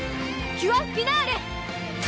キュアフィナーレ！